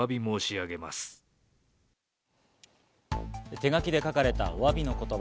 手書きで書かれたおわびの言葉。